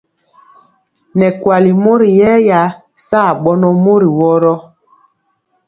Nɛ kuali mori yɛya saa bɔnɔ mori woro.